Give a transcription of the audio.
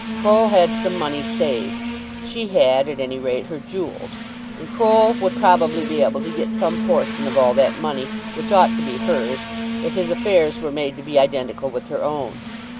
Croll had some money saved. She had, at any rate, her jewels, and Croll would probably be able to get some portion of all that money, which ought to be hers, if his affairs were made to be identical with her own.